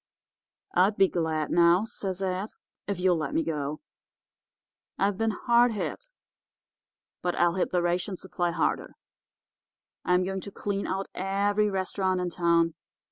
"'I'd be glad, now,' says Ed, 'if you'll let me go. I've been hard hit, but I'll hit the ration supply harder. I'm going to clean out every restaurant in town.